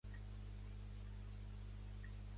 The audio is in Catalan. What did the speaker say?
Pertany al moviment independentista la Fidela?